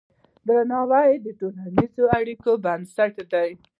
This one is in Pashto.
درناوی د ټولنیزو اړیکو بنسټ دی.